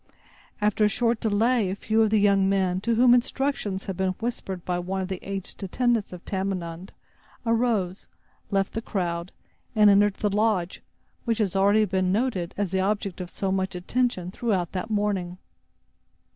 After a short delay, a few of the young men, to whom instructions had been whispered by one of the aged attendants of Tamenund, arose, left the crowd, and entered the lodge which has already been noted as the object of so much attention throughout that morning.